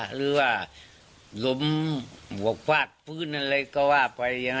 หรือว่าล้มหมวกฟาดฟื้นอะไรก็ว่าไป